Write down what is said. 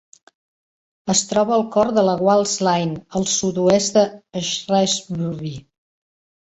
Es troba al cor de la Wales Line, al sud-oest de Shrewsbury.